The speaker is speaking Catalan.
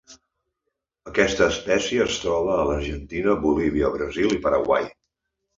Aquesta espècie es troba a l'Argentina, Bolívia, Brasil i Paraguai.